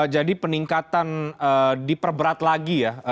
jadi peningkatan diperberat lagi ya